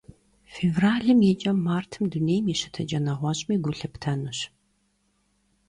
Fêvralım yi ç'em, martım dunêym yi şıtıç'e neğueş'mi gu lhıptenuş.